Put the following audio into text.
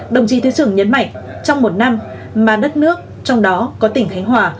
đồng chí thứ trưởng nhấn mạnh trong một năm mà đất nước trong đó có tỉnh khánh hòa